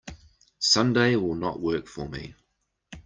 Sunday will not work for me.